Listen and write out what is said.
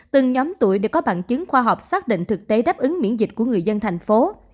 từng nhóm tuổi để có bằng chứng khoa học xác định thực tế đáp ứng miễn dịch của người dân thành phố